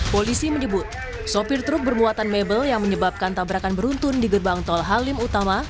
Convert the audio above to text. polisi menyebut sopir truk bermuatan mebel yang menyebabkan tabrakan beruntun di gerbang tol halim utama